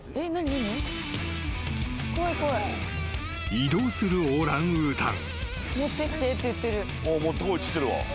［移動するオランウータン］